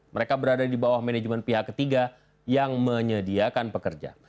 mereka berada di bawah manajemen pihak ketiga yang menyediakan pekerja